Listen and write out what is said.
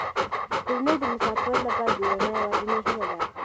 سپوږمۍ د مساپرو لپاره د رڼا یوازینۍ هیله ده.